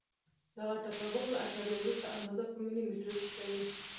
دغه تطابق له اعشاریه وروسته اندازه په ملي مترو کې ښیي.